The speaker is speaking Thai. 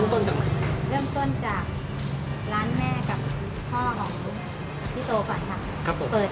คุณก็เรื่องขายอะไรครับ